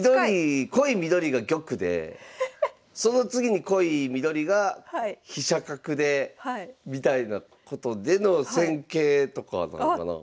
濃い緑が玉でその次に濃い緑が飛車角でみたいなことでの戦型とかなのかなあ？